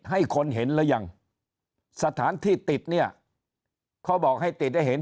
ให้คนเห็นหรือยังสถานที่ติดเนี่ยเขาบอกให้ติดให้เห็น